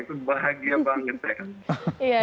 itu bahagia banget ya